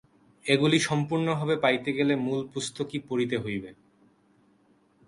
এগুলি সম্পূর্ণভাবে পাইতে গেলে মূল পুস্তকই পড়িতে হইবে।